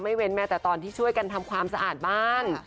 เว้นแม้แต่ตอนที่ช่วยกันทำความสะอาดบ้าน